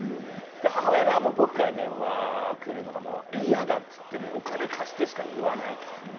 母親が僕から電話くるのが嫌だって言ってお金貸してしか言わないから。